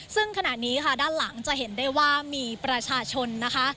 ซึ่งขณะนี้ค่ะด้านหลังจะเห็นได้ว่ามีประชาชนนะคะ